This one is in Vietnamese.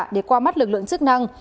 để qua mắt lực lượng chức năng